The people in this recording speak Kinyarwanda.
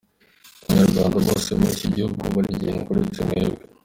Abanyarwanda bose muri iki gihugu barigenga uretse mwebwe.